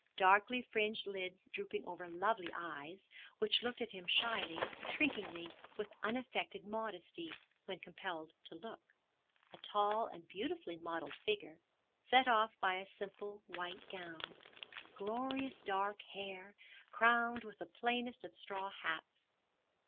Darkly fringed lids drooping over lovely eyes, which looked at him shyly, shrinkingly, with unaffected modesty, when compelled to look. A tall and beautifully modelled figure, set off by a simple white gown; glorious dark hair, crowned with the plainest of straw hats.